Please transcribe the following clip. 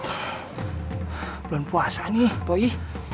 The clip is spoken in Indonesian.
hai lompat nih poi